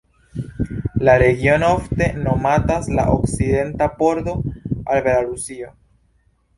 La regiono ofte nomatas la "okcidenta pordo" al Belarusio.